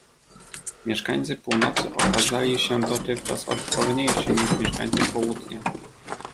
"Mieszkańcy północy okazali się dotychczas odporniejsi niż mieszkańcy południa."